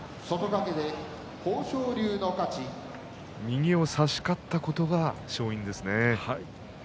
右を差し勝ったことが勝因ですね。